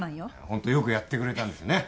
ホントよくやってくれたんですよね。